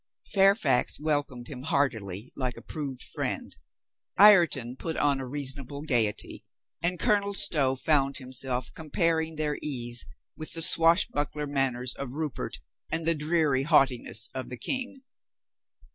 Fairfax welcomed him heartily like a proved friend; Ireton put on a reasonable gaiety, and Colo nel Stow found himself comparing their ease with the swashbuckler manners of Rupert and the dreary haughtiness of the King.